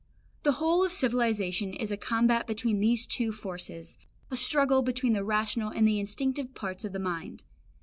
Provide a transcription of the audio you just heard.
The whole of civilisation is a combat between these two forces, a struggle between the rational and the instinctive parts of the mind.